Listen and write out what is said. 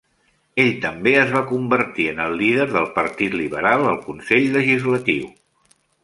Ell també es va convertir en el líder del partit liberal al Consell legislatiu.